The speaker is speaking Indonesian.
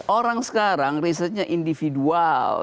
orang sekarang risetnya individual